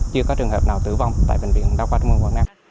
chưa có trường hợp nào tử vong tại bệnh viện đà khoa trung ương quảng nam